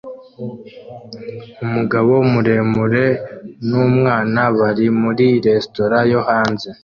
Umugabo muremure numwana bari muri resitora yo hanze